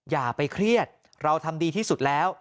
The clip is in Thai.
อย่าไปเครียดเราทำดีที่สุดแล้ว